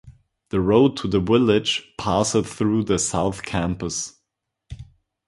The road to the village passes through the South Campus.